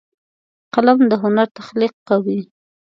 قلم د هنر تخلیق کوي